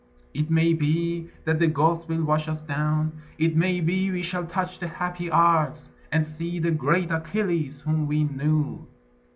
It may be that the gulfs will wash us down: It may be we shall touch the Happy Isles, And see the great Achilles, whom we knew.